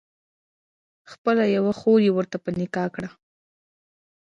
خپله یوه خور یې ورته په نکاح کړه.